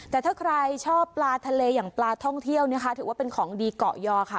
แต่ถ้าใครชอบปลาทะเลอย่างปลาท่องเที่ยวนะคะถือว่าเป็นของดีเกาะยอค่ะ